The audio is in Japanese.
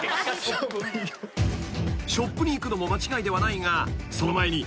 ［ショップに行くのも間違いではないがその前に］